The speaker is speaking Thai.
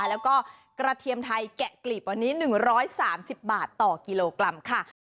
แล้วก็กระเทียมไทยแกะกลีบวันนี้๑๓๐บาทต่อกิโลกรัมค่ะ